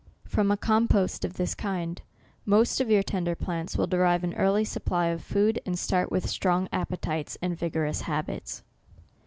From a compost of this kind, most of your tender plants will derive an early supply of food, and start with strong appetites and vi gorous habits.